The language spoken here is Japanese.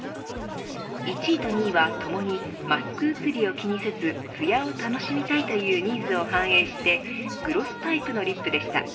１位と２位は共にマスク移りを気にせずつやを楽しみたいというニーズを反映してグロスタイプのリップでした。